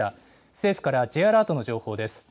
政府からＪアラートの情報です。